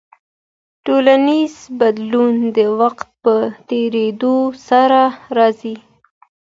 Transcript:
ټولنیز بدلون د وخت په تیریدو سره راځي.